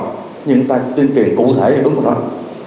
nhưng tuyên truyền cụ thể thì đúng rồi